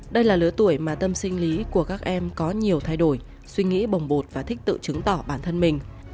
đây là lứa tuổi mà tâm sinh lý của các em có nhiều thay đổi suy nghĩ bồng bột và thích tự chứng tỏ bản thân mình